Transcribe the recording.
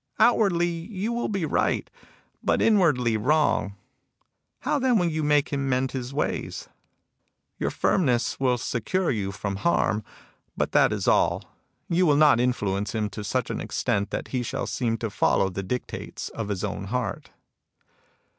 Outwardly you will be right, but inwardly wrong. How then will you make him mend his ways ?... Your THE FASTING OF THE HEART 71 firmness will secure you from harm ; but that is all. You will not influence him to such an extent that he shall seem to follow the dictates of his own heart."